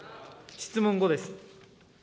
質問５です。